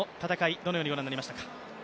どのようにご覧になりましたか？